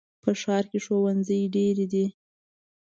په ښار کې ښوونځي ډېر دي.